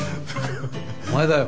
お前だよ。